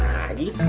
nah di sini